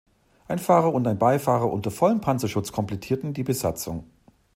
Ein Fahrer und ein Beifahrer unter vollem Panzerschutz komplettierten die Besatzung.